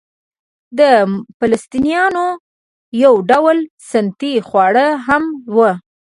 د فلسطنیانو یو ډول سنتي خواړه هم وو.